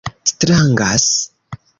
strangas